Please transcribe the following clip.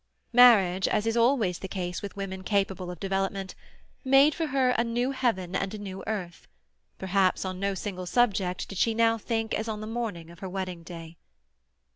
Marriage, as is always the case with women capable of development, made for her a new heaven and a new earth; perhaps on no single subject did she now think as on the morning of her wedding day.